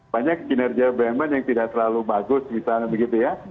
banyak kinerja bumn yang tidak terlalu bagus misalnya begitu ya